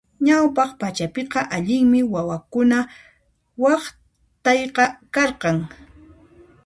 Ñawpaq pachapiqa allinmi wawakuna waqtayqa karqan.